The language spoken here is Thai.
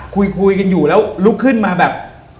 คุยกันอยู่แล้วลุกขึ้นมาแบบ